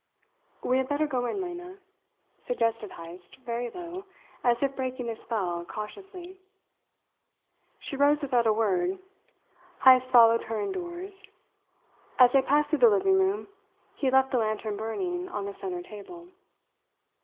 "We had better go in, Lena," suggested Heyst, very low, as if breaking a spell cautiously. She rose without a word. Heyst followed her indoors. As they passed through the living room, he left the lantern burning on the centre table.